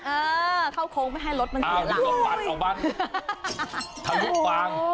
เออเข้าโค้งไม่ให้รถมันเสียหลัก